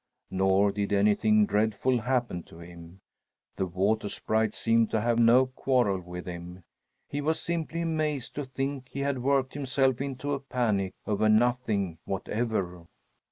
Nor did anything dreadful happen to him. The Water Sprite seemed to have no quarrel with him. He was simply amazed to think he had worked himself into a panic over nothing whatever.